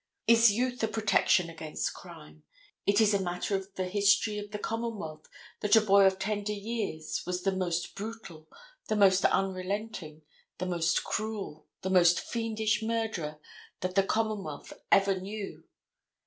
Is youth a protection against crime. It is a matter of the history of the commonwealth that a boy of tender years was the most brutal, the most unrelenting, the most cruel, the most fiendish murderer that the commonwealth ever knew.